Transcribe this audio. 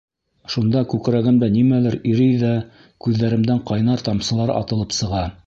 Шунда күкрәгемдә нимәлер ирей ҙә, күҙҙәремдән ҡайнар тамсылар атылып сыға.